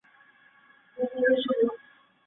这部音乐剧的灵感来自于一本杂志里的照片。